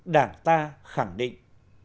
đảng ta khẳng định